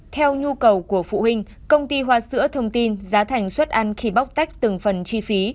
theo nhu cầu của phụ huynh công ty hoa sữa thông tin giá thành suất ăn khi bóc tách từng phần chi phí